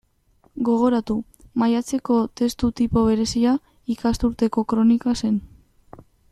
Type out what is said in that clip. Gogoratu; maiatzeko testu tipo berezia ikasturteko kronika zen.